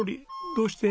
どうして？